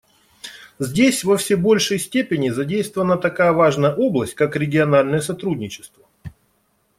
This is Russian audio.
Здесь во все большей степени задействована такая важная область, как региональное сотрудничество.